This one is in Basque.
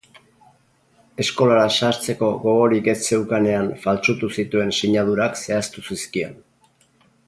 Eskolara sartzeko gogorik ez zeukanean faltsutu zituen sinadurak zehaztu zizkion.